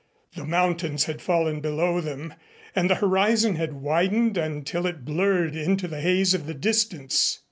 The mountains had fallen below them and the horizon had widened until it blurred into the haze of the distance.